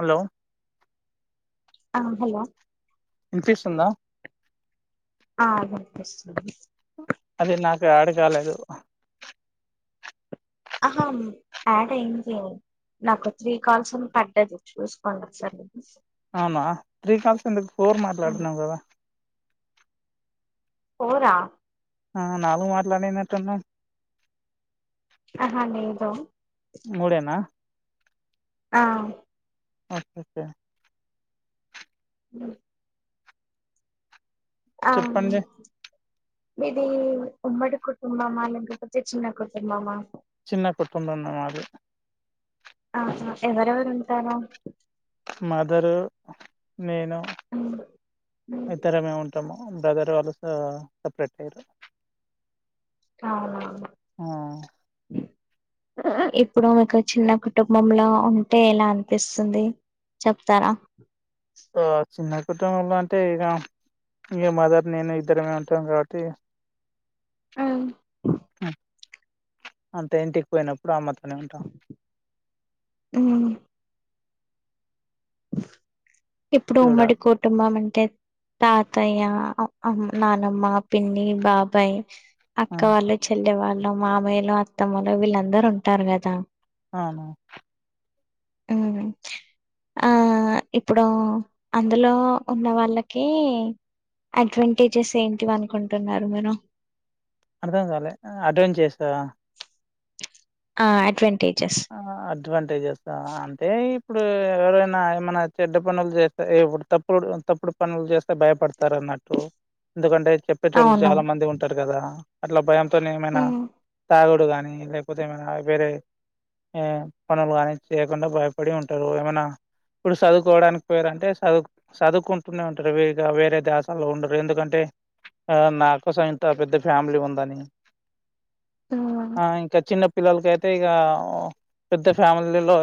Hello ఆ hello ఇన్పిస్తుందా ఆ వినిపిస్తుంది అది నాకు యాడ్ కాలేదు అహం యాడైంజె నాకు త్రీ కాల్స్ అని పడ్డది చూసుకోండి ఒకసారి అవునా త్రీ కాల్స్ ఎందుకు ఫోర్ ఉమ్, మాట్లాడుతునాం కదా ఫోరా ఆ నాలుగు మాట్లాడినట్టున్నం ఆహా లేదు మూడేనా ఆ వచ్చే క్యా మ్ ఆమ్ చెప్పండి మీది ఉమ్మడి కుటుంబమా లేకపోతే చిన్న కుటుంబమా చిన్న కుటుంబమే మాది ఆహ ఎవరెవరు ఉంటారు? మదరు నేను ఉమ్, ఉమ్, ఇద్దరమే ఉంటాము. బ్రదర్ వాళ్లు స సపరేట్ పోయిర్రు అవునా ఆ ఇప్పుడు మీకు చిన్న కుటుంబంలో ఉంటే ఇలా అనిపిస్తుంది? చెప్తార ఆ చిన్న కుటుంబమే అంటే ఇగ ఇంగ మదర్ నేను ఇద్దరమే ఉంటాం కాబట్టి మ్ మ్ అంతె ఇంటికి పోయినప్పుడు అమ్మతోనే ఉంటా మ్ ఇప్పుడు ఉమ్మడి చూడాలి కో కుటుంబం అంటే తాతయ్య, అమ్ నానమ్మ, పిన్ని, బాబాయ్ ఆ, అక్కవాళ్ళు, చెల్లెవాళ్ళు, మామయ్యలు, అత్తమ్మలు వీళ్ళందరూ ఉంటారు కదా అవును ఉమ్ ఆ ఇప్పుడు అందులో ఉన్న వాళ్ళకి అడ్వాంటేజెస్ ఏంటివి అనుకుంటున్నారు మీరు? అర్థం కాలే అటెండ్ చేస్తవా ఆ అడ్వాంటేజెస్ అడ్వాంటేజస అంటే ఇప్పుడు ఎవరైనా ఏమైనా చెడ్డ పనులు చేస్ ఎ ఇబ్బుడు తప్పుడు తప్పుడు పనులు చేస్తే భయపడతారు అన్నట్టు, ఎందుకంటే చెప్పేటోళ్ళు అవును చాలా మంది ఉంటారు కదా అట్ల భయంతోనే ఏమైనా ఉమ్ తాగుడు కానీ లేకపోతే ఏమైనా వేరే ఆ పనులు కానీ చేయకుండా భయపడి ఉంటారు ఏమైన ఇప్పుడు సదువుకోవడానికి పోయిర్రు అంటే సదువు సదువుకుంటునే ఉంటారు వేగ వేరే ధ్యాసలో ఉండరు ఎందుకంటే, ఆ నాకోసం ఇంత పెద్ద ఫ్యామిలీ ఉందని, ఉమ్ ఆ ఇంక చిన్న పిల్లలకి అయితే ఇగ ఆ పెద్ద ఫ్యామిలీలో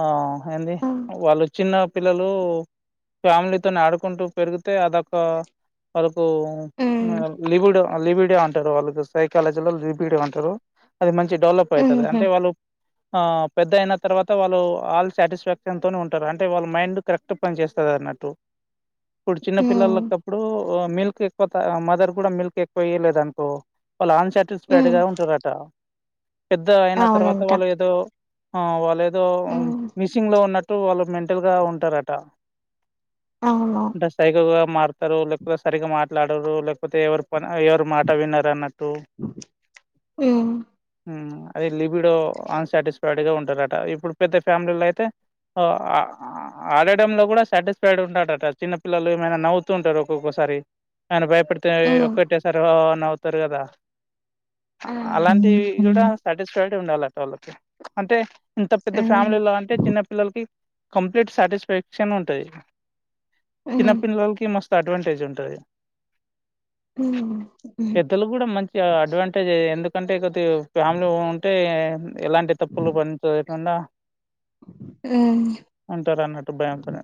ఆ ఏంది ఉమ్ వాళ్ళు చిన్న పిల్లలు ఫ్యామిలీతోని ఆడుకుంటూ పెరిగితే అదొక వాళ్లకు మా ఉమ్ లిబిడో లిబిడో అంటారు వాళ్ళకి సైకాలజీలో లిబిడో అంటారు అది మంచిగ డెవలప్ అయితది. ఉహు అంటే వాళ్ళు ఆ పెద్ద అయిన తర్వాత వాళ్ళు ఆల్ సాటిస్ఫాక్షన్ తోనే ఉంటారు అంటే వాళ్ మైండ్ కరెక్ట్ పని చేస్తది అన్నట్టు ఇప్పుడు ఉమ్ చిన్నపిల్లలకప్పుడు మిల్క్ ఎక్ ఎక్కువ త మదర్ కూడా మిల్క్ ఎక్కువ ఇయలేదనుకో వాళ్ళు అన్ సాటిస్ఫైడ్ ఉమ్ గా ఉంటారట. పెద్ద అయిన తర్వాత అవునంట వాళ్ళు ఏదో, ఆ వాళ్ళు ఏదో ఉమ్ మి చింగ్ లో ఉన్నట్టు వాళ్ళు మెంటల్ గా ఉంటారట. అవును అంటే సైకో గా మారుతారు, లేకపోతే సరిగ్గా మాట్లాడరు, లేకపోతే ఎవరు పని ఎవరు మాట వినరు అన్నట్టు. మ్ ఉమ్ అది లిబిడో అన్సాటిస్ఫైడ్ గా ఉంటారట ఇప్పుడు పెద్ద ఫ్యామిలీలో అయితే ఆ ఆ ఆడడంలో కూడా సాటిస్ఫైడ్ ఉంటాడట చిన్న పిల్లలు ఏమైనా నవ్వుతూ ఉంటారు ఒక్కొక్కొసారి ఆయన భయపడితే ఉమ్ ఒక్కటే సరి ఆ ఆ నవ్వుతారు కదా ఉమ్ అలాంటి కూడా సాటిస్ఫైడే ఉండాలట వాళ్ళకి అంటే ఇంత పెద్ద ఉమ్ ఫ్యామిలీలో అంటే చిన్న పిల్లలకి కంప్లీట్ సాటిస్ఫాక్షన్ ఉంటది ఉమ్, చిన్నపిల్లలకి మస్ అడ్వాంటేజ్ ఉంటది ఉమ్ ఉ ఇది కూడా మంచి అడ్వాంటేజే ఎందుకంటే కొద్దిగా ఫ్యామిలీ బావుంటే ఎలాంటి తప్పులు పని చేయకుండా ఉంటరు అన్నట్టు భయంతోని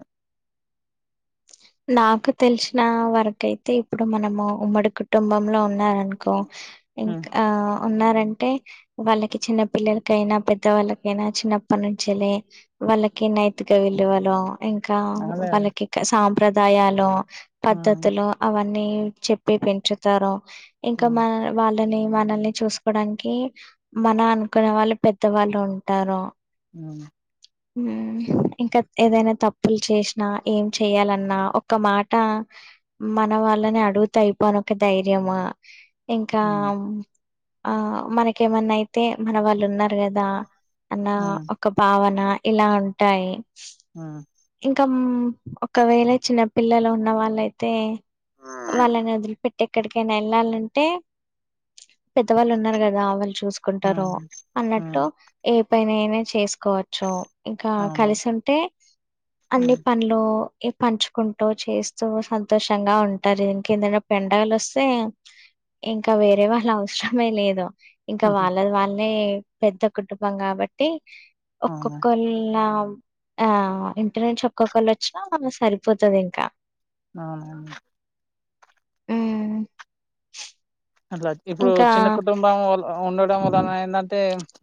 నాకు తెలిసిన వరకు అయితే ఇప్పుడు మనము ఉమ్మడి కుటుంబంలో ఉన్నారనుకో ఉమ్, ఇంకా ఉన్నారంటే వాళ్ళకి చిన్న పిల్లలకైనా పెద్దవాళ్ళకైనా చిన్నప్పటి నుంచేలే వాళ్ళకి నైతిక విలువలు ఇంకా అదే అదే వాళ్ళకి సాంప్రదాయాలు ఉమ్, పద్ధతులు అవన్నీ చెప్పే పెంచుతారు ఇంకా ఉమ్, మన వాళ్ళని మనల్ని చూసుకోడానికి మన అనుకునే వాళ్ళు పెద్దవాళ్ళు ఉంటారు ఉమ్ ఉమ్ ఇంకా ఏదైనా తప్పులు చేసినా ఏం చేయాలన్ న్నా ఒక్క మాట మన వాళ్ళని అడుగుతే అయిపో అని ఒక ధైర్యము ఇంకా ఉమ్, ఆ మనకేమన్నా అయితే మన వాళ్ళు ఉన్నారు గదా అన్నా ఉమ్, ఒక భావన ఇలా ఉంటాయి ఆ ఇంకాం ఒకవేళ చిన్న పిల్లలు ఉన్నవాళ్ళయితే వాళ్ళను వదిలిపెట్ ఎక్కడికైనా ఎళ్ళాలంటే పెద్దవాళ్ళు ఉన్నారు కదా వాళ్ళు చూసు కుంటారు ఉమ్, అన్నట్టు ఉమ్, ఏ పనైనా చేసుకోవచ్చు ఇంకా అవును కలిసి ఉంటే అన్ని ఉమ్, పనులు పంచుకుంటూ చేస్తూ సంతోషంగా ఉంటరు ఇంకేందన్న ఎండలు వస్తే ఇంకా వేరే వాళ్ళ అవసరమే లేదు ఇంక ఉహు, వాళ్ళద్ వాళ్లే పెద్ద కుటుంబం కాబట్టి అవును ఒక్కొక్కళ ఆ ఇ ఇంటి నుంచి ఒక్కొక్కళ్ళ వచ్చినా మనం సరిపోతాది ఇంకా ఆవును ఉమ్ అట్లా ఇప్పుడు ఇంకా చిన్న కుటుంబం వల్ల ఉండడం వలన ఏందంటే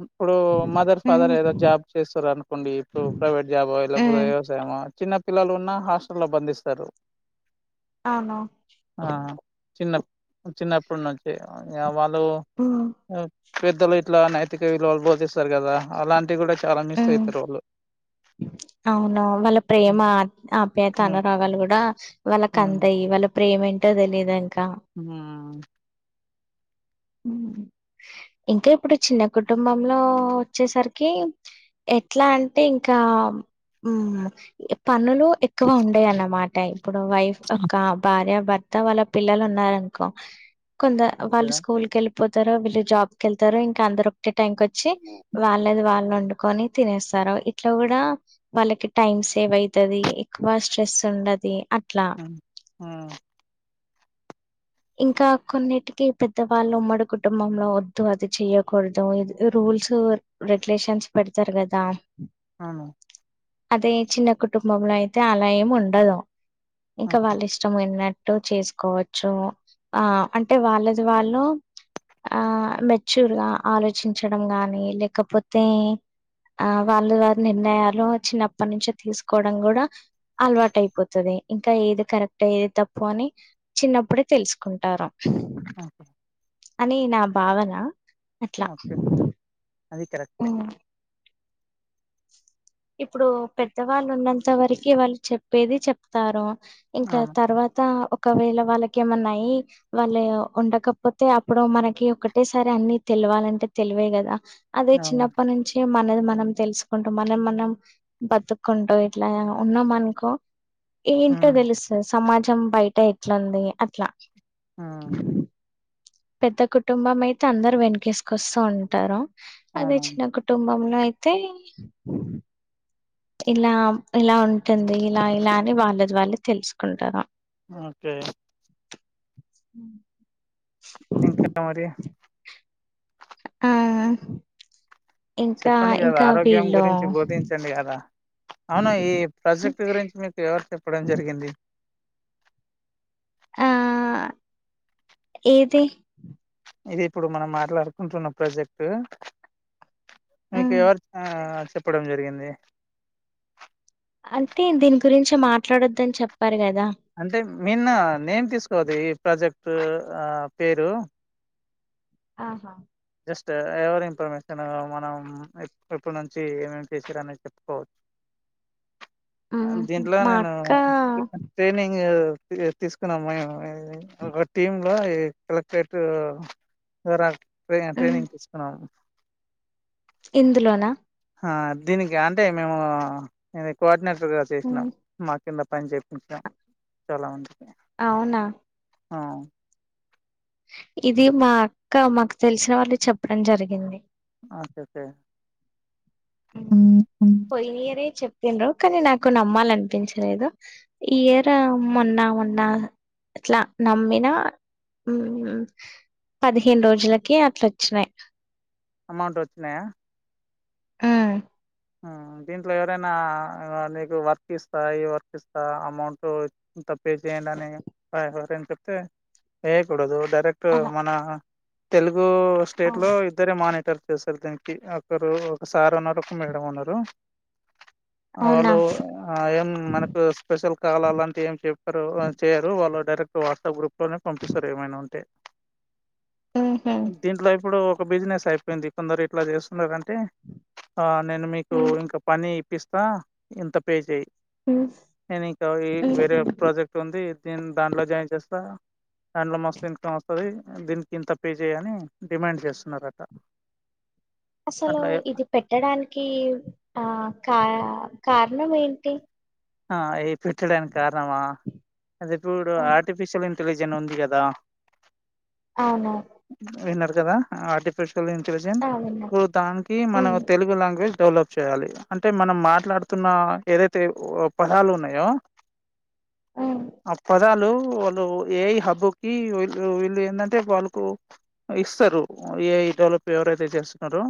ఇప్పుడు మదర్ ఉమ్ ఫాదర్ ఏదో జాబ్ చేస్తురు ఉండి ఇప్పుడు ప్రైవేట్ జాబ్ లేకపోతే ఉమ్ వ్యవసాయమా చిన్న పిల్లలు ఉన్నా హాస్టల్లో బంధిస్తరు అవును ఆ చిన్న చిన్నప్పటి నుంచి ఆ వాళ్ళు ఉమ్ పెద్దలు ఇట్లా నైతిక విలువలు బోధిస్తారు కదా అలాంటివి కూడా చాలా మిస్ ఉమ్ అయితరు వాళ్ళు అవును వాళ్ళ ప్రేమ హ్మ్ ఆప్యాత అనురాగాగాలు కూడా వాళ్ళకి హ్మ్ అంతయ్యి వాళ్ళ ప్రేమ ఏంటో తెలియదు ఇంకా ఉహుమ్ [inaudible] హ్మ్ ఇంకా ఇప్పుడు చిన్న కుటుంబంలో వచ్చేసర్కి ఎట్లా అంటే ఇంకా హ్మ్ పనులు ఎక్కువ ఉండయ్ అన్మాట ఇప్పుడు వైఫ్ ఒక్క భార్య భర్ త వాళ్ళ పిల్లలు ఉన్నారన్కో కొంత వాళ్ళు ఓకేనా స్కూల్ కెళ్ళి పోతార వీళ్ళు జాబ్ కెళ్తార ఇంకా అందరు ఒకటే టైంకి వచ్చి వాళ్ళది వాళ్ళు వొండు కొని తినేస్తార ఇట్లా గూడా వాళ్ళకి టైం సేవ్ అయితది ఎక్కువ స్ట్రెస్ ఉండది అట్లా హ్మ్ హా ఇంకా కొన్నిటికి పెద్దవాళ్ళు ఉమ్మడి కుటుంబంలో వద్దు అది చెయకూడదు ఇద్ రూల్సు రెగ్యులేషన్స్ పెడతరు గదా అవును అదే చిన్న కుటుంబంలో అయితే అలా ఏమి ఉండదు ఉమ్, ఇంకా వాళ్ళ ఇష్ ష్టం ఉన్నట్టు చేసుకోవచ్చు ఆ అంటే వాళ్ళది వాళ్ళు ఆ మెచ్యూర్ గా ఆలోచించడం గాని లేకపోతే ఆ వాళ్ళు వారి నిర్ణయాలు చిన్నప్పటి నుంచి తీసుకోడం గూడా అలవాటు అయిపోతది ఇంకా ఏది కరెక్టే ఏది తప్పు అని చిన్నప్పుడె తెలుసుకుంటారు ఓకే [unintelligible] అని నా భావన అట్లా ఓకే, అది కరెక్టే ఇప్పుడు పెద్దవాళ్ళు ఉన్నంత వరకి వాళ్ళు చెప్పేది చెప్తారు ఇంకా అవును తర్వాత ఒకవేళ వాళ్ళకెమన్న అయ్ వాళయ్ వండకపోతే అప్పుడు మనకి ఒకటేసారి అన్ని తెల్వాలంటే తెల్వయ్ కదా అదే అవును చిన్నప్పటి నుంచే మనది మనం తెలుసుకుంట మనం మన్ బతుకుంటు ఇట్లా ఉన్నాం అనుకో ఏంటో హ్మ్ తెల్స్ సమాజం బయట ఎట్లుంది అట్లా ఆమ్ పెద్ద కుటుంబం అయితే అందరు వెనుకెసుకొస్తూ ఉంటారు అదే అవును చిన్న కు కుటుంబంలో అయితే ఇలా ఇలా ఉంటుంది ఇలా ఇలా అని వాళ్ళది వాళ్ళు తెల్స్ కుంటరు [unintelligible] [unintelligible] ఆ ఇంకా చెప్పండి కదా ఇంకా ఆరోగ్యం వీళ్ళు గురించి బోధించండి కదా అవును ఈ ప్రజెక్ట్ గురించి మీక్ ఎవరు చెప్పడం జరిగింది ఆ ఏద్ ఇది ఇప్పుడు మనం మాట్లాడుకుంటున్న ప్రజెక్టు మీక్ ఉమ్, ఎవరు ఆ చెప్పడం జరిగింది అంటే దీన్ గురించి మాట్లాడొద్దన్ చెప్పారు కదా అంటే మిన్న నేమ్ తీసుకోవదు ఈ ప్రజెక్టు ఆ పేరు ఆహ్ జస్ట్ ఎవర్ ఇన్ఫర్మేషన్ మనం ఎప్ ఎప్పుడు నుంచి ఏమేమ్ చేశిండ్రనేది చెప్పుకోవచ్ ఆహా మా నేను అక్క ట్రైనింగ్ తీ తీసుకున్నాం [unintelligible] ఒక టీమ్ లో ఇగా కలెక్టరేట్ ఇగ ట్రైనింగ్ ఉమ్, ట్రైనింగ్ తీసుకున్నాం ఇందులోనా ఆ దీనికి అంటే మేము ఇగా కోఆర్డినేటర్గా చేసినాం ఉమ్, మా కింద పని చేపించినం చాలా మందికి అవునా ఆ ఇది మా అక్క మాకు తెలిసిన వాళ్ళు చెప్పడం జరిగింది ఓకే ఓకే ఉమ్, పోయిన ఇయరే చెప్పిండ్రు కానీ నాకు నమ్మాలి అనిపించలేదు ఈ ఇయర్ మొన్నా మొన్నా ఆట్లా నమ్మినా పదిహేను రోజులకి అట్లా వచ్చినాయి. అమౌంట్ వచ్చినాయా ఉమ్ ఆ దీంట్లో ఎవరైనా నీకు వర్క్ ఇస్తా వర్క్ ఇస్తా అమౌంట్ తప్పే చేయండి. అని ఎవరయినా చెప్తే చేయకూడదు. కరెక్ట్ ఆహా మన తెలుగు స్టేట్ అవును లో ఇద్దరు ఇద్దరే మానిటర్ చేస్తారు. దీనికి ఒకరు ఒక సార్ ఉన్నారు. ఒక మేడం ఉన్నారు. అవునా వాళ్లు ఆ ఏం మనకు స్పెషల్ కాల్ అలాంటివి ఏం చెప్పారు చేయరు వాళ్ళు డైరెక్ట్ వాట్సాప్ గ్రూప్ ఇంట్లోనే పంపిస్తారు. ఏమైనా ఉంటే ఉహు దీంట్లో ఇప్పుడు ఒక బిజినెస్ అయిపోయింది. కొందరు ఇట్లా చేస్తున్నారంటే ఆ నేను మీకు ఉమ్ ఇంకా పని ఇప్పిస్తా ఇంత పే చెయి నేనింక ఈ ఉహు వేరే ప్రాజెక్ట్ ఉంది. దీ దాంట్లో జాయిన్ చేస్తా దాంట్లో మస్తు ఇన్కమ్ వస్తది. దీనికి ఇంత పే చెయ్ ఆని డిమాండ్ చేస్తున్నారట అసలు అట్లా ఇది పెట్టడానికి ఆ కా కారణం ఏంటి ఆ అవి పెట్టడానికి కారణమా అది ఇప్పుడు ఆర్టిఫిషియల్ ఇంటెలిజెన్స్ ఉంది కదా అవును విన్నరు కదా ఆర్టి ఫిషియాల్ ఇంటెలిజెన్స్ ఆ విన్నా ఇప్పుడు దానికి మన ఉమ్ తెలుగు లాంగ్వేజ్ డెవలప్ చేయాలి అంటే మనం మాట్లాడుతున్న ఏదైతే పదాలు ఉన్నాయో ఆ ఆ పదాలు వాళ్ళు ఏఐ హబ్బుకి వీళ్ళు వీళ్ళు ఏంటంటే వాళ్ళకు ఇస్తారు ఏ ఐ డెవలప్ ఎవరైతే చేస్తున్నారో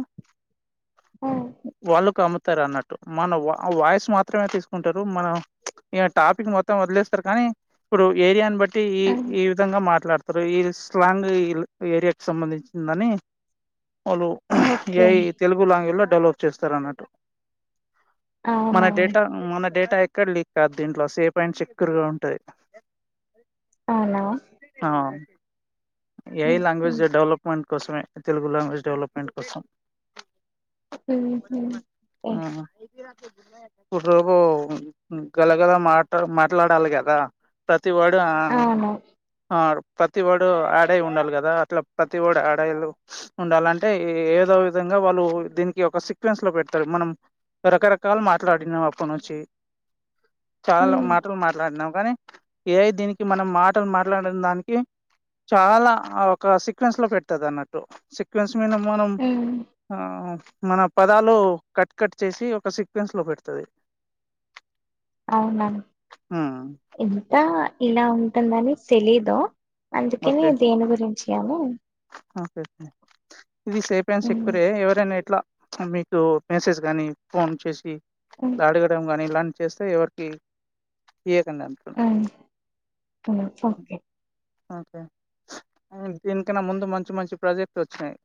ఉమ్ వాళ్ళుకు అమ్ముతారు. అన్నట్టు మన వాయిస్ మాత్రమే తీసుకుంటారు. మనం ఈ టాపిక్ మొత్తం వదిలేస్తారు. కానీ ఇప్పుడు ఏరియాని బట్టి ఉమ్ ఈ విధంగా మాట్లాడుతారు. ఈ స్లాంగ్ల్ ఏరియా కి సంబంధించిందని వాళ్ళు ఏ ఓకే ఐ తెలుగు లాంగ్వేజ్లో డెవలప్ చేస్తారు. అన్నట్టు మన అవునా డేటా మన డేటా ఎక్కడ లీక్ కాదు. దీంట్లో సేఫ్ అండ్ సేక్కుర్గా ఉంటది. అవునా ఆ ఏ ఐ ఉహు లాంగ్వేజ్ డెవలప్మెంట్ కోసమే తెలుగు లాంగ్వేజ్ డెలప్మెంట్ కోసం ఆ, ఉహ్ ఇప్పుడు నువ్వు గల గల మాట మాట్లాడాలి కదా ప్రతి వాడు ఆ. అవును ఆ ప్రతి వర్డ్ ఆడై ఉండాలి కదా అట్లా ప్రతి వర్డ్ ఆడాయలు. ఉండాలంటే ఏదో విధంగా వాళ్ళు దీనికి ఒక సీక్వెన్స్ లో పెడతారు మనం. రకరకాలు మాట్లాడినాము అప్పటి నుంచి చాలా ఉమ్ మాటలు మాట్లాడినాం కానీ ఏ దీనికి మనం మాటలు మాట్లాడిన దానికి. చాలా ఒక సీక్వెన్స్ లో పెడతది అన్నట్టు సీక్వెన్స్ మీద మనం. ఉమ్ ఆ మన పదాలు కట్ కట్ చేసి ఒక సీక్వెన్స్ లో పెడుతది. అవునా. ఆ. ఇంత్త ఇలా ఉంటుందని తెలీదు. అందుకని ఓకే దీని గురించి అని. ఓకే. ఇది సేఫ్ ఐనా ఉమ్ సెక్కురే ఎవరైనా ఎట్లా. మీకు మెసేజ్ గాని ఫోన్ చేసి ఉమ్ ఇట్లా అడగడం గాని లంచ్. చేస్తే ఎవరికి చేయకండి అన్నారు. హు ఓకే. ఓకే దీనికన్నా ముందు మంచి మంచి ప్రాజెక్ట్ వచ్చినాయి.